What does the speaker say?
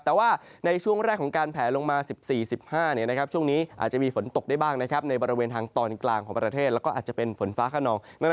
แต่ว่าในช่วงแรกของการแผลลงมา๑๔๑๕ช่วงนี้อาจจะมีฝนตกได้บ้างนะครับในบริเวณทางตอนกลางของประเทศแล้วก็อาจจะเป็นฝนฟ้าขนอง